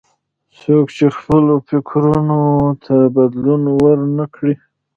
څوک چې خپلو فکرونو ته بدلون ور نه کړي.